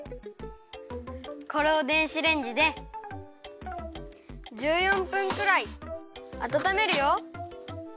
これを電子レンジで１４分くらいあたためるよ。